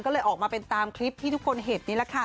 ก็เลยออกมาเป็นตามคลิปที่ทุกคนเห็นนี่แหละค่ะ